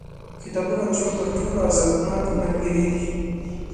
• کتابونه د ژوند تر ټولو ارزښتناک ملګري دي.